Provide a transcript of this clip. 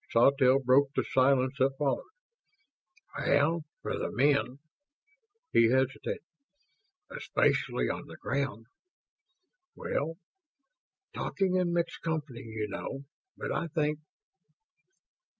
Sawtelle broke the silence that followed. "Well, for the men " He hesitated. "Especially on the ground ... well, talking in mixed company, you know, but I think